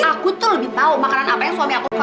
aku tuh lebih tahu makanan apa yang suami aku